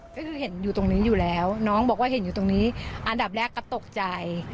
ก็คือเห็นอยู่ตรงนี้อยู่แล้วน้องบอกว่าเห็นอยู่ตรงนี้อันดับแรกก็ตกใจ